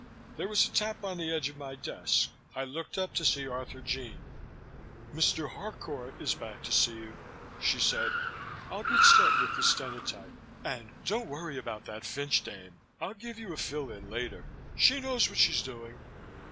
There was a tap on the edge of my desk. I looked up to see Arthurjean. "Mr. Harcourt is back to see you," she said. "I'll get set with the stenotype. And don't worry about that Fynch dame. I'll give you a fill in later. She knows what she's doing."